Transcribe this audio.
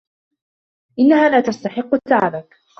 انها لا تستحق تعبك.